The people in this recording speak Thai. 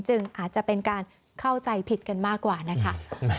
อาจจะเป็นการเข้าใจผิดกันมากกว่านะคะ